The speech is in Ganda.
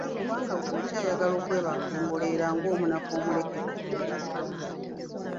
Kubanga ggwe okyayagala okwebaka embooleera ng’omunafu omulekere obuliri.